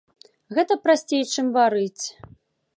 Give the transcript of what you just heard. Гэта прасцей, чым варыць.